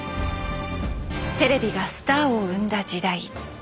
テレビがスターを生んだ時代。